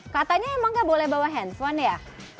katanya emang gak boleh bawa handphone ya